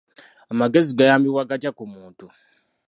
Amagezi gayambibwa gatya ku muntu?